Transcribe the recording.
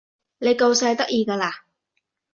你夠晒得意㗎啦